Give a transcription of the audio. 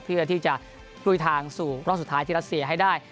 เพื่อที่จะลุยทางสู่รอบสุดท้ายที่รัสเซียให้ได้